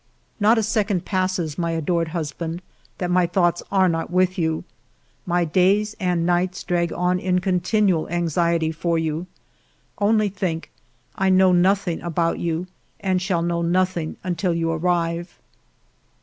..." Not a second passes, my adored husband, that my thoughts are not with you. My days and nights drag on in continual anxiety for you. Only think, I know nothing about you and shall know nothing until you arrive